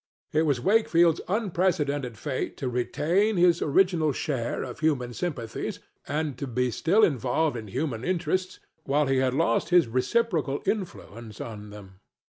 It was Wakefield's unprecedented fate to retain his original share of human sympathies and to be still involved in human interests, while he had lost his reciprocal influence on them.